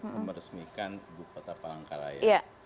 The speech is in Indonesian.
pemeresmikan bukota palangkalaya